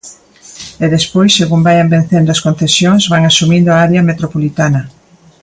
E despois, segundo vaian vencendo as concesións, van asumindo a área metropolitana.